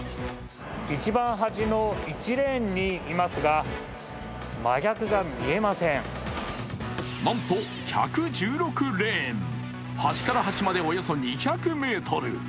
一番端の１レーンにいますがなんと１１６レーン、端から端までおよそ２００ｍ。